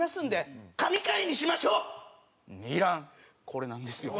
これなんですよ。